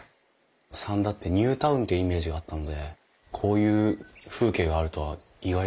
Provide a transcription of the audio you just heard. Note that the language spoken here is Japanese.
三田ってニュータウンっていうイメージがあったのでこういう風景があるとは意外でした。